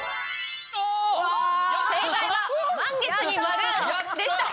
正解は「満月」に丸でした。